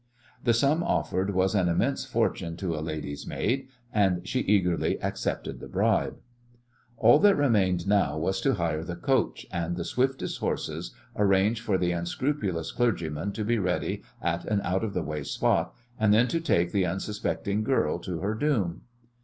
The sum offered was an immense fortune to a lady's maid, and she eagerly accepted the bribe. All that remained now was to hire the coach and the swiftest horses, arrange for the unscrupulous clergyman to be ready at an out of the way spot, and then to take the unsuspecting girl to her doom.